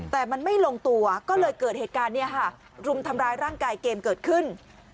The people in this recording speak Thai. แต่มันไม่ลงตัวก็เลยเกิดเหตุการณ์รุมทำร้ายร่างกายเกมเกิดขึ้น